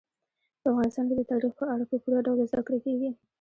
په افغانستان کې د تاریخ په اړه په پوره ډول زده کړه کېږي.